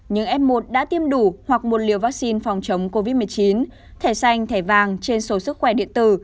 nhưng f một đã tiêm đủ hoặc một liều vaccine phòng chống covid một mươi chín thẻ xanh thẻ vàng trên số sức khỏe điện tử